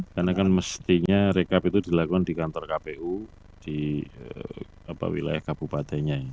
karena kan mestinya rekap itu dilakukan di kantor kpu di wilayah kabupatenya ya